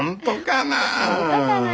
本当かな？